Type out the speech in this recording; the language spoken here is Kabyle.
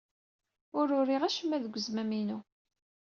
Ur uriɣ acemma deg uzmam-inu.